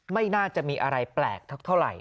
ไม่น่าจะมีอะไรแปลกเท่าไหร่